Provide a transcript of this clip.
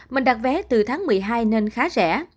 mình đặt vé từ tháng một mươi hai nên khá rẻ